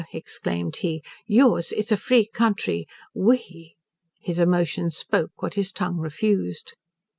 exclaimed he, "yours is a free country we"! His emotions spoke what his tongue refused.